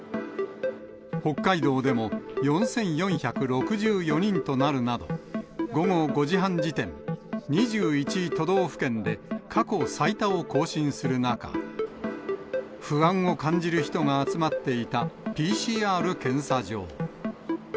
北海道でも４４６４人となるなど、午後５時半時点、２１都道府県で過去最多を更新する中、不安を感じる人が集まっていたＰＣＲ検査場。